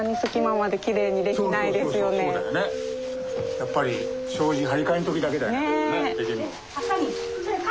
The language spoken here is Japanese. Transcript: やっぱり障子張り替えん時だけだよねできるのは。